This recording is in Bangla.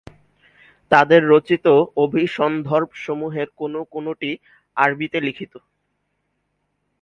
তাদের রচিত অভিসন্দর্ভসমূহের কোনো কোনোটি আরবিতে লিখিত।